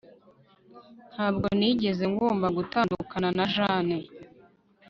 Ntabwo nigeze ngomba gutandukana na Jane